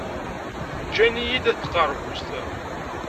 Ggin-iyi-d At Tqerbuzt.